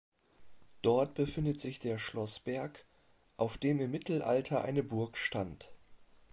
Dort befindet sich der Schlossberg, auf dem im Mittelalter eine Burg stand.